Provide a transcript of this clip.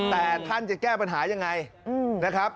แต่ท่านจะแก้ปัญหายังไงนะครับ